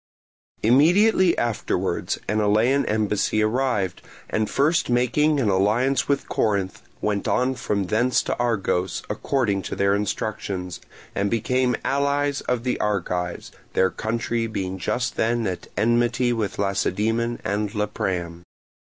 Immediately afterwards an Elean embassy arrived, and first making an alliance with Corinth went on from thence to Argos, according to their instructions, and became allies of the Argives, their country being just then at enmity with Lacedaemon and Lepreum.